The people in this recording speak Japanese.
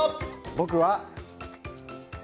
僕は。